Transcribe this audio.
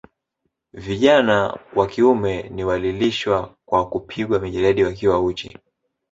Vijana wa kiume ni walilishwa kwa kupigwa mijeledi wakiwa uchi